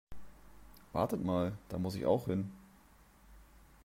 Wartet mal, da muss ich auch hin.